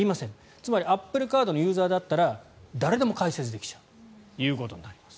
つまりアップルカードのユーザーだったら誰でも開設できちゃうということになります。